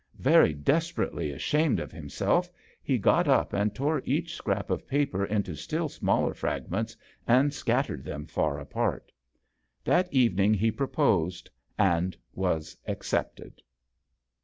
Very desperately ashamed )f himself, he got up and tore jach scrap of paper into still smaller fragments and scattered hem far apart. That evening he proposed, and vas accepted.